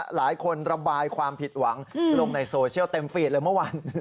หลายคนระบายความผิดหวังลงในโซเชียลเต็มฟีดเลยเมื่อวาน